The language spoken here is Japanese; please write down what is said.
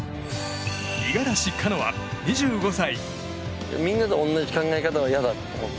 五十嵐カノア、２５歳。